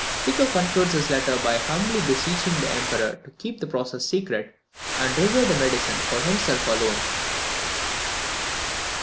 Tycho concludes his letter by humbly beseeching the Emperor to keep the process secret, and reserve the medicine for himself alone!